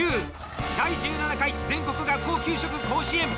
第１７回全国学校給食甲子園。